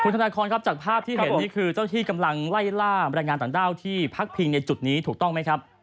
ธนาคอนครับจากภาพที่เห็นนี่คือเจ้าที่กำลังไล่ล่าบรรยายงานต่างด้าวที่พักพิงในจุดนี้ถูกต้องไหมครับ